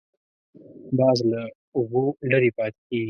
باز له اوبو لرې پاتې کېږي